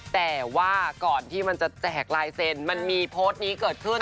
แต่ว่าก่อนที่มันจะแจกลายเซ็นต์มันมีโพสต์นี้เกิดขึ้น